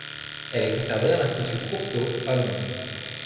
Elle est conservée à l'Institut Courtauld, à Londres.